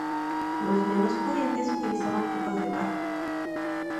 Los menos pudientes utilizaban copas de barro.